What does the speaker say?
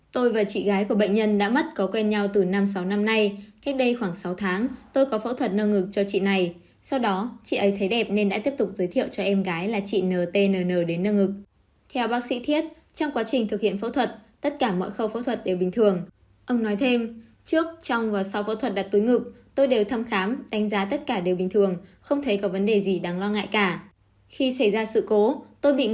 theo bác sĩ thiết trong quá trình thực hiện phẫu thuật tất cả mọi khâu phẫu thuật đều bình thường